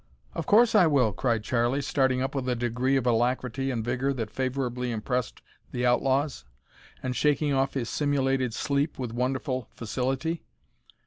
"Of course I will!" cried Charlie, starting up with a degree of alacrity and vigour that favourably impressed the outlaws, and shaking off his simulated sleep with wonderful facility.